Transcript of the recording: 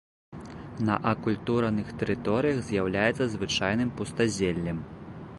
На акультураных тэрыторыях з'яўляецца звычайным пустазеллем.